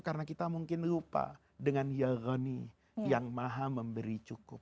karena kita mungkin lupa dengan yahoni yang maha memberi cukup